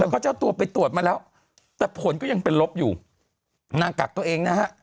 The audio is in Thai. แล้วก็เจ้าตัวไปตรวจมาแล้วแต่ผลก็ยังเป็นลบอยู่นางกักตัวเองนะฮะ